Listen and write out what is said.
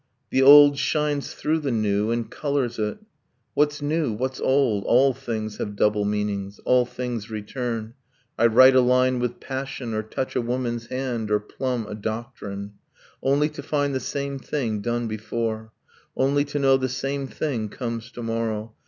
The old shines through the new, and colors it. What's new? What's old? All things have double meanings, All things return. I write a line with passion (Or touch a woman's hand, or plumb a doctrine) Only to find the same thing, done before, Only to know the same thing comes to morrow.